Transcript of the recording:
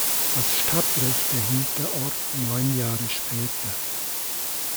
Das Stadtrecht erhielt der Ort neun Jahre später.